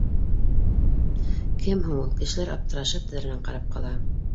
Кем һуң ул? Кешеләр аптырашып тәҙрәнән ҡарап ҡала